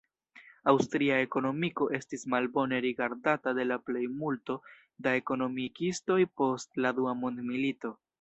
Aŭstria ekonomiko estis malbone rigardata de la plejmulto da ekonomikistoj post la Dua mondmilito.